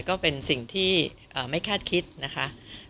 ก็เป็นสิ่งที่ไม่คาดคิดนะคะ